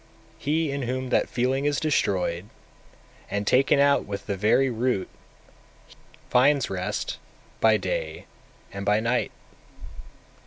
250. He in whom that feeling is destroyed, and taken out with the very root, finds rest by day and by night.